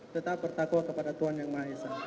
tetap bertakwa kepada tuhan yang maha esa